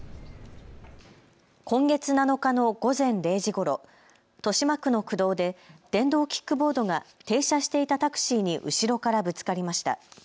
今月７日の午前０時ごろ、豊島区の区道で電動キックボードが停車していたタクシーに後ろからぶつかりました。